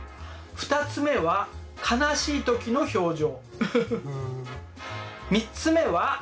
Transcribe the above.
３つ目は楽しい時の表情。